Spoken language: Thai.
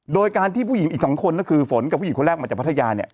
โดยการที่ผู้หญิงอีก๒คนก็คือฝนกับผู้หญิงคนแรกมาจากพัทยาเนี่ย